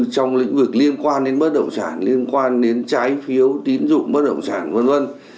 trong lĩnh vực liên quan đến bất động sản liên quan đến trái phiếu tín dụng bất động sản v v